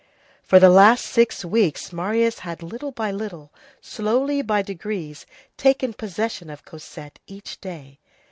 For the last six weeks, Marius had little by little, slowly, by degrees, taken possession of Cosette each day.